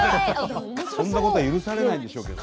そんなこと許されないんでしょうけど。